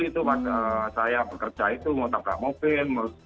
itu saya bekerja itu mau tabrak mobil